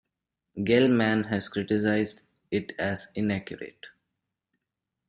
Gell-Mann has criticized it as inaccurate.